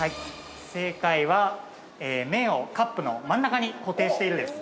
◆正解は、麺をカップの真ん中に固定しているです。